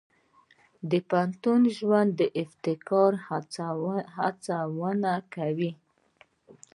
د پوهنتون ژوند د ابتکار هڅونه کوي.